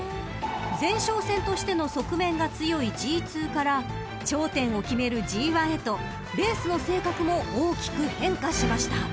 ［前哨戦としての側面が強いＧⅡから頂点を決めるＧⅠへとレースの性格も大きく変化しました］